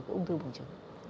của ung thư bùng trứng